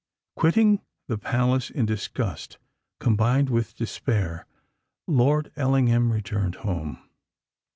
Quitting the palace in disgust combined with despair, Lord Ellingham returned home.